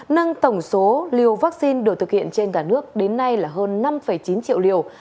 nâng tổng số liều vaccine được thực hiện trên cả nước đến nay là hơn năm chín triệu liều